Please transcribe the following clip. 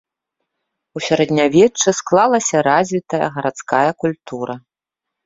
У сярэднявеччы склалася развітая гарадская культура.